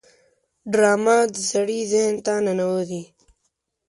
ډرامه د سړي ذهن ته ننوزي